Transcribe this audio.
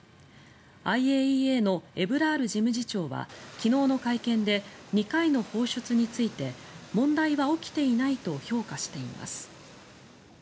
ＩＡＥＡのエブラール事務次長は昨日の会見で２回の放出について問題は起きていないと評価しています。